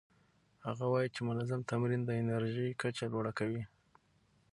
هغه وايي چې منظم تمرین د انرژۍ کچه لوړه کوي.